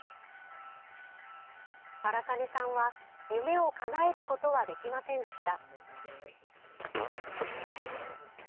荒金さんは夢をかなえることはできませんでした。